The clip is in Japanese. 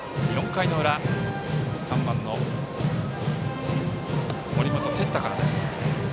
４回の裏３番の森本哲太からです。